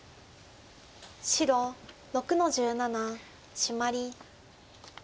白６の十七シマリ。